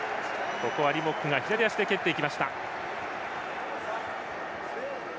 ここはリボックが左足で蹴っていきました。